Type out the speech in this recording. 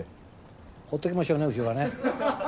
ほっときましょうね後ろはね。